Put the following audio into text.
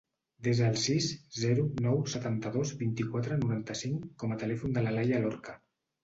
Desa el sis, zero, nou, setanta-dos, vint-i-quatre, noranta-cinc com a telèfon de l'Alaia Lorca.